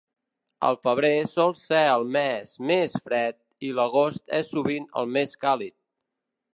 El febrer sol ser el mes més fred, i l'agost és sovint el més càlid.